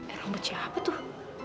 eh rambut siapa tuh